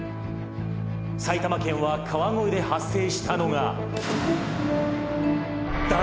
埼玉県は川越で発生したのが」